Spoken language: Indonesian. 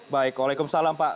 baik waalaikumsalam pak